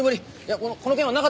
この件はなかった事でね。